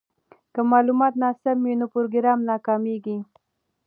که معلومات ناسم وي نو پروګرام ناکامیږي.